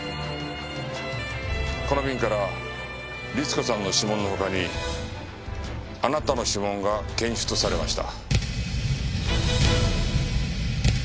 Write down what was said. この瓶から律子さんの指紋の他にあなたの指紋が検出されました。